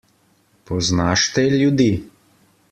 Poznaš te ljudi?